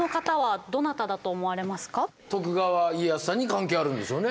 徳川家康さんに関係あるんでしょうね。